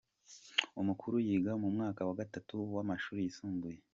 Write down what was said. Umukuru yiga mu mwaka wa gatatu w’amashuri yisumbuye.